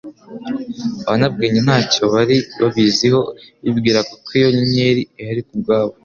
Abanyabwenge ntacyo bari babiziho, bibwiraga ko iyo nyenyeri ihari ku bwabo.